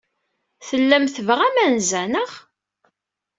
Tellam tebɣam anza, naɣ?